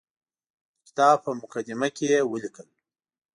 د کتاب په مقدمه کې یې ولیکل.